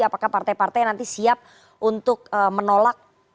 apakah partai partai nanti siap untuk menolak